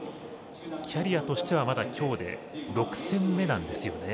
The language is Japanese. キャリアとしては、まだきょうで６戦目なんですよね。